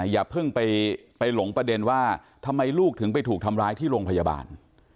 อย่าเพิ่งไปหลงประเด็นว่าทำไมลูกถึงไปถูกทำร้ายที่โรงพยาบาล